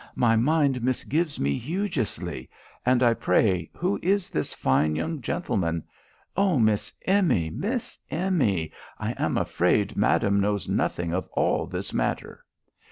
my mind misgives me hugeously; and pray who is this fine young gentleman? Oh! Miss Emmy, Miss Emmy, I am afraid madam knows nothing of all this matter.